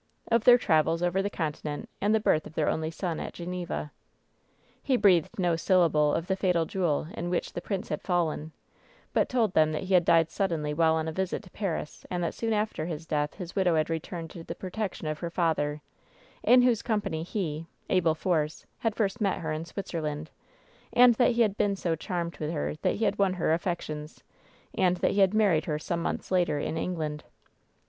Of their travels over the Continent, and of the birth of their only son at Geneva. He breathed no syllable of the fatal duel in which the prince had fallen ; but told them that he had died sud denly while on a visit to Paris ; and that soon after his death his widow had returned to the protection of her father, in whose company he — Abel Force— had first met her in Switzerland; and that he had been so charmed with her that he had won her affections, and that he had married her some months later in England.